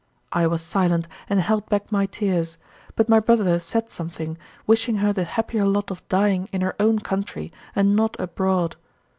I was silent and held back my tears; but my brother said something, wishing her the happier lot of dying in her own country and not abroad.